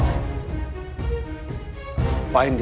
aku mau ke rumah